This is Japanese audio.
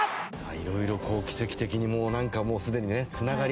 いろいろ奇跡的にもうすでにねつながり始めた。